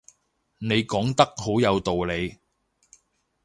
你講得好有道理